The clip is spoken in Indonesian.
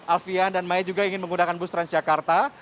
alfian dan maya juga ingin menggunakan bus transjakarta